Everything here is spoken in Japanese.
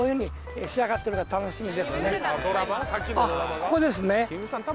ここですね